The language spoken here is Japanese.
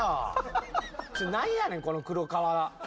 何やねんこの黒革。